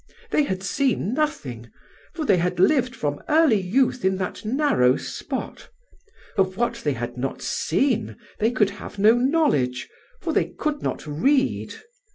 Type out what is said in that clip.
They had seen nothing, for they had lived from early youth in that narrow spot: of what they had not seen they could have no knowledge, for they could not read.